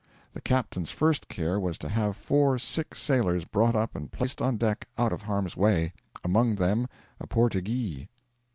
The captain's first care was to have four sick sailors brought up and placed on deck out of harm's way among them a 'Portyghee.'